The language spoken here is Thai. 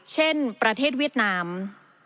เช่นประเทศเวียดนาม